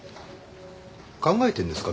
考えてるんですか？